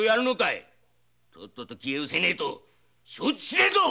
とっとと消え失せねえと承知しねえぞ！